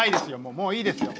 もういいですよ。